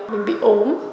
mình bị ốm